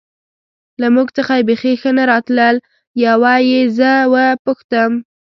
له موږ څخه یې بېخي ښه نه راتلل، یوه یې زه و پوښتم.